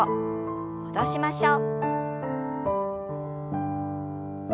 戻しましょう。